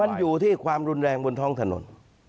มันอยู่ที่ความรุนแรงบนท้องถนน